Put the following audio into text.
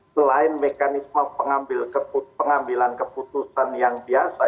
selain mekanisme pengambilan keputusan yang biasa